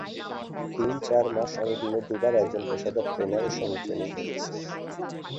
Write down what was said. তিন-চার মাস আমি দিনে দুবার একজন পেশাদার ট্রেনারের সঙ্গে ট্রেনিং করেছি।